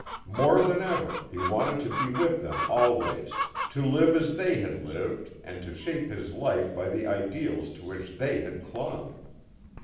More than ever he wanted to be with them always, to live as they had lived and to shape his life by the ideals to which they had clung.